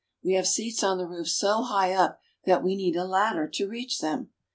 We have seats on the roof so high up that we need a ladder to reach them.